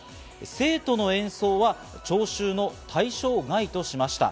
生徒の演奏は徴収の対象外としました。